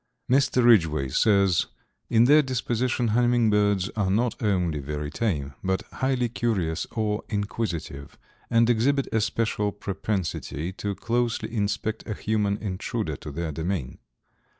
Mr. Ridgway says: "In their disposition hummingbirds are not only very tame but highly curious or inquisitive, and exhibit a special propensity to closely inspect a human intruder to their domain."